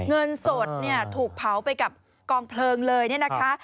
เงินสดถูกเผาไปกับกองเพลิงเลยนะคะ